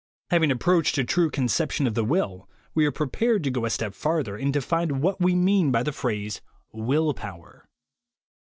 Having approached a true conception of the will, we are prepared to go a step farther, and to find what we mean by the phrase "Will Power."